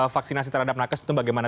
vaksinasi terhadap nakes itu bagaimana